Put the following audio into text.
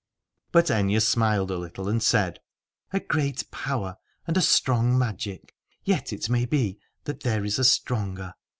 But Aithne smiled a little and said : A great power and a strong magic : yet it may be that there is a stronger.